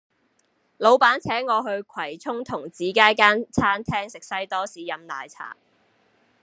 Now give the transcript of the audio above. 老闆請我去葵涌童子街間餐廳食西多士飲奶茶